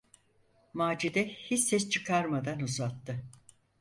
Macide hiç ses çıkarmadan uzattı.